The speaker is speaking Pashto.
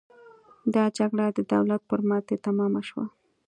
دا جګړه د دولت پر ماتې تمامه شوه.